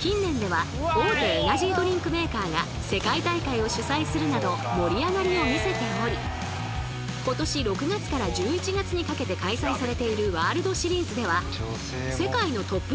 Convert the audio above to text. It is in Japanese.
近年では大手エナジードリンクメーカーが世界大会を主催するなど盛り上がりをみせており今年６月から１１月にかけて開催されているワールドシリーズでは世界のトップ